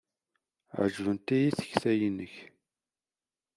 Ɛejbent-iyi tekta-nnek.